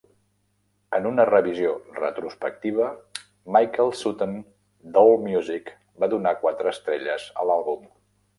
En una revisió retrospectiva, Michael Sutton d"AllMusic va donar quatre estrelles a l"àlbum.